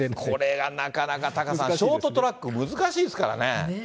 これはなかなかタカさん、ショートトラック難しいですからね。ねぇ。